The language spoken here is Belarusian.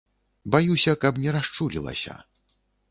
Баюся, каб не расчулілася.